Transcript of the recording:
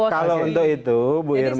kalau untuk itu bu irma